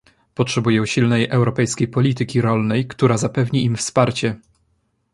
Potrzebują silnej europejskiej polityki rolnej, która zapewni im wsparcie